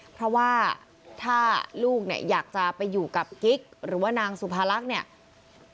เพราะว่าถ้าลูกเนี่ยอยากจะไปอยู่กับกิ๊กหรือว่านางสุภาลักษณ์เนี่ย